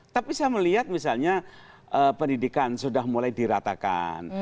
tapi saya melihat misalnya pendidikan sudah mulai diratakan